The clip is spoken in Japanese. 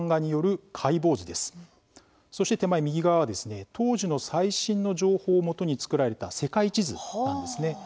そして手前右側はですね当時の最新の情報をもとに作られた世界地図なんですね。